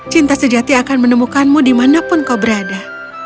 cinta sejati akan menemukanmu dimanapun kau berada